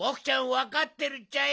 わかってるっちゃよ！